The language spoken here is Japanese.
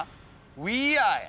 「ウィーアー」や！